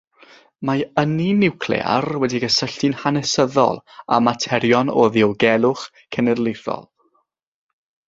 Mae ynni niwclear wedi ei gysylltu'n hanesyddol â materion o ddiogelwch cenedlaethol.